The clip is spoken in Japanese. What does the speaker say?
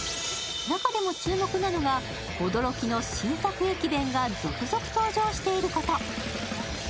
中でも注目なのが、驚きの新作駅弁が続々登場していること。